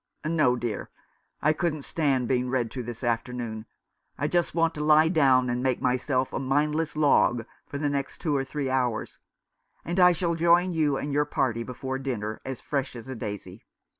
"No, dear. I couldn't stand being read to this afternoon. I want just to lie down and make my self a mindless log for the next two or three hours ; and I shall join you and your party before dinner, as fresh as a daisy.